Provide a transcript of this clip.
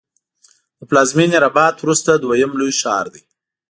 د پلازمېنې رباط وروسته دویم لوی ښار دی.